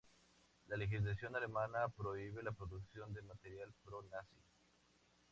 La legislación alemana prohíbe la producción de material pro-nazi.